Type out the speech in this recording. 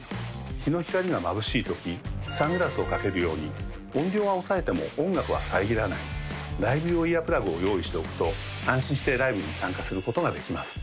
日の光がまぶしい時サングラスを掛けるように音量は抑えても音楽は遮らないライブ用イヤープラグを用意しておくと安心してライブに参加することができます